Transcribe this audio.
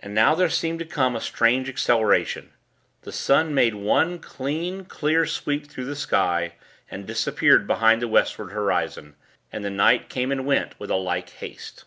And now there seemed to come a strange acceleration. The sun made one clean, clear sweep through the sky, and disappeared behind the Westward horizon, and the night came and went with a like haste.